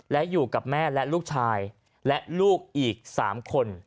และอยู่กับแม่และลูกชายและลูกอีก๓คน